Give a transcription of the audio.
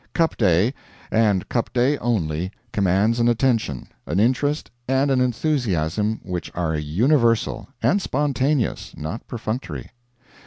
Cup Day, and Cup Day only, commands an attention, an interest, and an enthusiasm which are universal and spontaneous, not perfunctory.